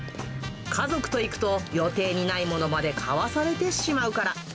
家族と行くと予定にないものまで買わされてしまうから。